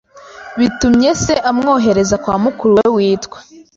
bitumye se amwohereza kwa mukuru we witwa